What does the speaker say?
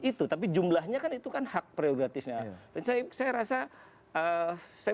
itu tapi jumlahnya karena itu kan hak hak prioritasnya tournaments her ass chef saya